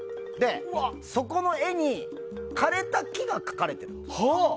そこの絵に枯れた木が書かれてるの。